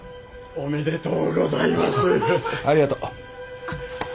おめでとうございます。